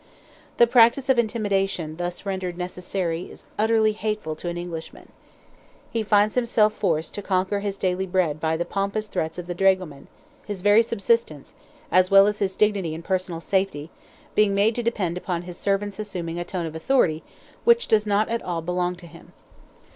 The practice of intimidation thus rendered necessary is utterly hateful to an Englishman. He finds himself forced to conquer his daily bread by the pompous threats of the dragoman, his very subsistence, as well as his dignity and personal safety, being made to depend upon his servant's assuming a tone of authority which does not at all belong to him.